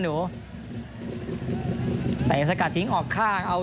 ส่วนที่สุดท้ายส่วนที่สุดท้าย